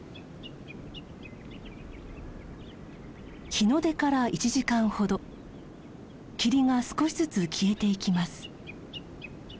日の出から１時間ほど霧が少しずつ消えていきます。